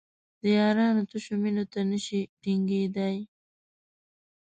د یارانو تشو مینو ته نشي ټینګېدای.